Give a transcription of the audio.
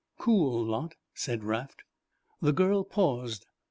"Cool lot," said Raft. The girl paused.